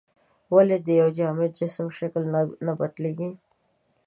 ولې د یو جامد جسم شکل نه بدلیږي؟